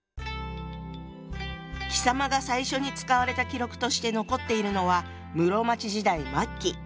「貴様」が最初に使われた記録として残っているのは室町時代末期。